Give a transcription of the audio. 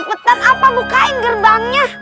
cepetan apa bukain gerbangnya